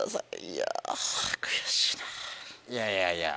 いやいやいや。